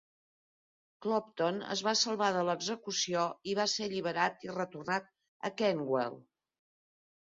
Clopton es va salvar de l'execució i va ser alliberat i retornat a Kentwell.